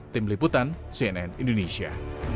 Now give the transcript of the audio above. tim liputan cnn indonesia